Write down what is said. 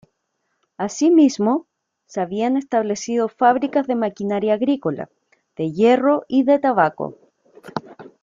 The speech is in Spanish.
Asimismo, se habían establecido fábricas de maquinaria agrícola, de hierro y de tabaco.